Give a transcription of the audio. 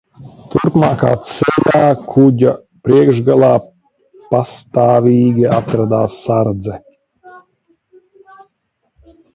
Turpmākā ceļā kuģa priekšgalā pastāvīgi atradās sardze.